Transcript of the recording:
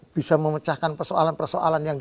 bisa memecahkan persoalan persoalan